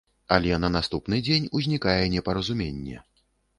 Але на наступны дзень узнікае непаразуменне.